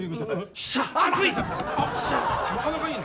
なかなかいいね。